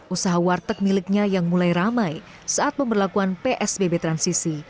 usaha warteg miliknya yang mulai ramai saat pemberlakuan psbb transisi